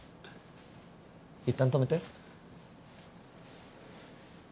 いったん止めて。